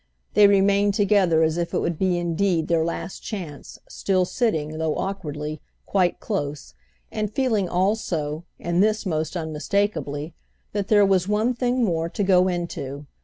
They remained together as if it would be indeed their last chance, still sitting, though awkwardly, quite close, and feeling also—and this most unmistakeably—that there was one thing more to go into.